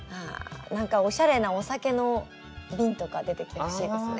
なんかおしゃれなお酒の瓶とか出てきてほしいですね。